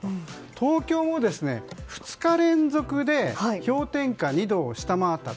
東京も２日連続で氷点下２度を下回ったと。